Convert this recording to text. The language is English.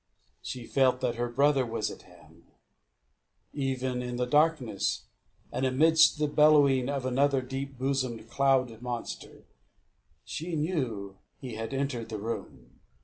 She felt that her brother was at hand. Even in the darkness, and amidst the bellowing of another deep bosomed cloud monster, she knew that he had entered the room.